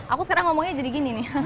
aku sekarang ngomongnya jadi gini nih